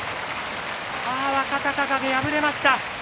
若隆景、敗れました。